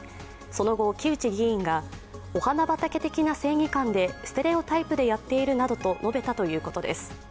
その後、城内議員がお花畑的な正義感でステレオタイプでやっているなどと述べたということです。